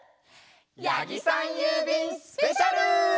やぎさんゆうびんスペシャル！